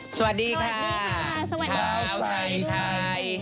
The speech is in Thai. สวัสดีค่ะท้าวใส่ทาย